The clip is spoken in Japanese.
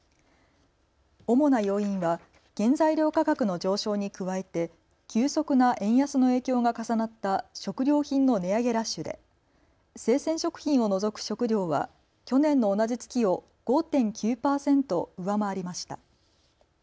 主な要因は原材料価格の上昇に加えて急速な円安の影響が重なった食料品の値上げラッシュで生鮮食品を除く食料は去年の同じ月を５．９％上回りました。